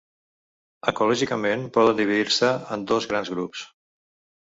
Ecològicament poden dividir-se en dos grans grups.